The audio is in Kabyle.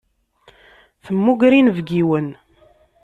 Temmuger inebgiwen.